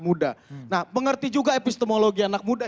mengerti juga epistemologi anak muda